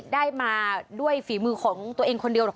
ได้มาด้วยฝีมือของตัวเองคนเดียวหรอก